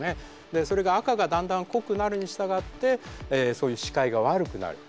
それが赤がだんだん濃くなるに従ってそういう視界が悪くなる。